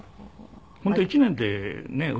本当は１年でねえ